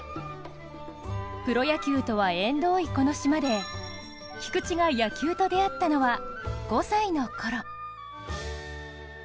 プロ野球とは縁遠いこの島で菊地が野球と出会ったのは５歳のころ。